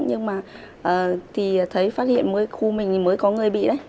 nhưng mà thì thấy phát hiện khu mình mới có người bị đấy